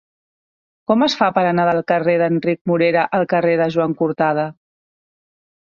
Com es fa per anar del carrer d'Enric Morera al carrer de Joan Cortada?